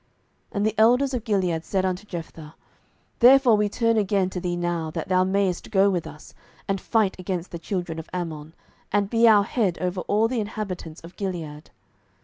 07:011:008 And the elders of Gilead said unto Jephthah, Therefore we turn again to thee now, that thou mayest go with us, and fight against the children of Ammon, and be our head over all the inhabitants of Gilead.